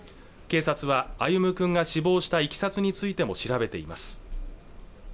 警察は歩夢君が死亡したいきさつについても調べています